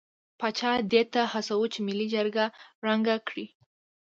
پاچا دې ته هڅاوه چې ملي جرګه ړنګه کړي.